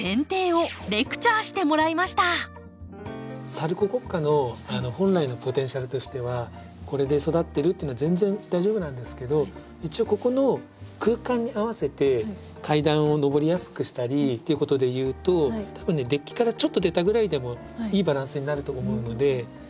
サルココッカの本来のポテンシャルとしてはこれで育ってるっていうのは全然大丈夫なんですけど一応ここの空間に合わせて階段を上りやすくしたりということでいうと多分ねデッキからちょっと出たぐらいでもいいバランスになると思うので。